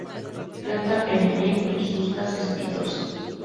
Planta perenne, hirsuta, cespitosa.